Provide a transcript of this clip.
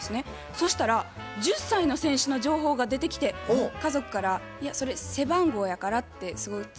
そしたら１０歳の選手の情報が出てきて家族から「いやそれ背番号やから」ってすごい冷たくつっこまれました。